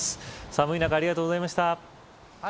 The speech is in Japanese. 寒い中ありがとうございました。